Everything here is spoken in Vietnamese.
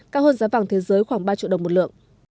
cao hơn giá vàng thế giới khoảng ba triệu đồng một lượng